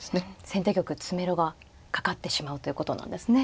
先手玉詰めろがかかってしまうということなんですね。